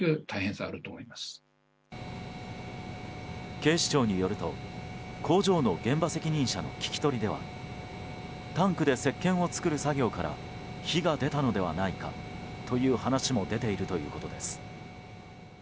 警視庁によると工場の現場責任者の聞き取りではタンクでせっけんを作る作業から火が出たのではないかという話も出ているということです。